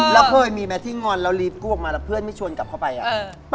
แล้วเคยมีไหมที่งอนแล้วรีบกู้ออกมาแล้วเพื่อนไม่ชวนกลับเข้าไปอ่ะ